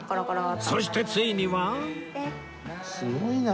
そしてついには